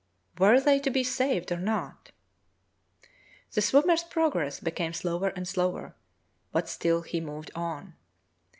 Were they to be saved or not.? The swim mer's progress became slower and slower, but still he moved on.